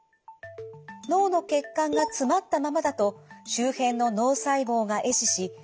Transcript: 脳の血管が詰まったままだと周辺の脳細胞がえ死し